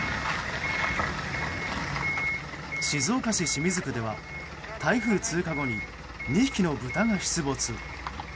静岡市清水区では台風通過後に２匹の豚が出没。